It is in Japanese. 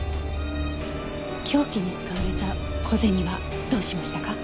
凶器に使われた小銭はどうしましたか？